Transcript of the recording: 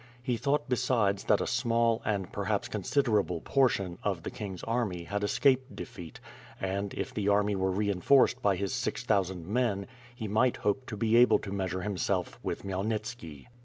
He thought, besides, that a small and, perhaps considerable portion, of the king's army had escaped defeat and, if the army were reinforced by his six thousand men, he might hope to be able to measure himsdf with Khmyelnitski.